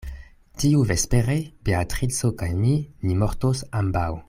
Tiuvespere Beatrico kaj mi ni mortos ambaŭ.